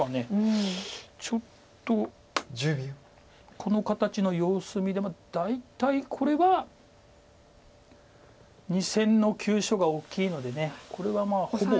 この形の様子見で大体これは２線の急所が大きいのでこれはほぼ。